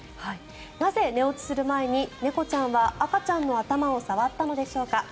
なぜ寝落ちする前に猫ちゃんは赤ちゃんの頭を触ったのでしょうか。